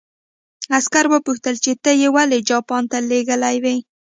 عسکر وپوښتل چې ته یې ولې جاپان ته لېږلی وې